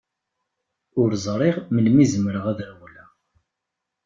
Ur ẓriɣ melmi zemreɣ ad rewleɣ.